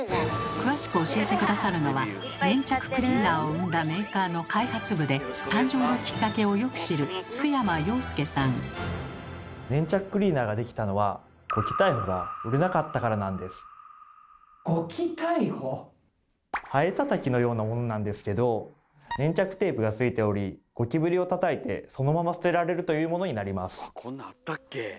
詳しく教えて下さるのは粘着クリーナーを生んだメーカーの開発部で誕生のキッカケをよく知るハエたたきのようなものなんですけど粘着テープがついておりゴキブリをたたいてそのまま捨てられるというものになります。